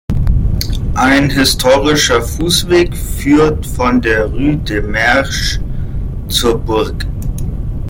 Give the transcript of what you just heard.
Ein historischer Fußweg führt von der Rue de Mersch zur Burg.